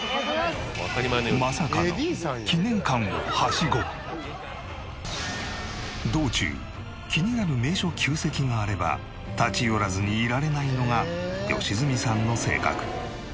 まさかの道中気になる名所旧跡があれば立ち寄らずにいられないのが良純さんの性格。